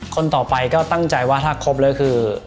คนต่อไปก็ตั้งใจว่าถ้าครบแล้วคือ